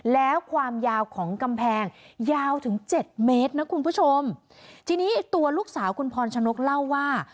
แล้วความยาวของกำแพงยาวถึงเจ็ดเมตรนะคุณผู้ชมทีนี้ตัวลูกสาวคุณพรชนกเล่าว่า